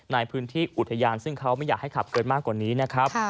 ในพื้นที่อุทยานซึ่งเขาไม่อยากให้ขับเกินมากกว่านี้นะครับ